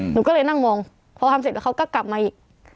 หนูก็เลยนั่งมองพอทำเสร็จแล้วเขาก็กลับมาอีก